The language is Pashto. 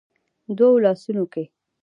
دوو لاسونو کې